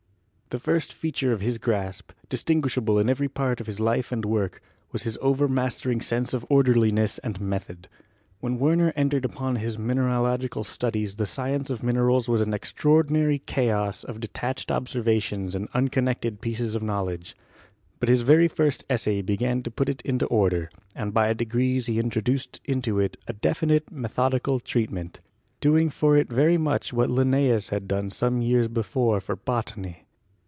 The first feature of his grasp, distinguishable in every part of his life and work, was his overmastering sense of orderliness and method. When Werner entered upon his mineralogical studies the science of minerals was an ex traordinary chaos of detached observations and uncon nected pieces of knowledge. But his very first essay began to put it into order, and by degrees he introduced into it a definite methodical treatment, doing for it very much what Linnaeus had done some years before for botany.